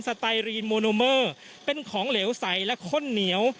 ไตรีนโมนูเมอร์เป็นของเหลวใสและข้นเหนียว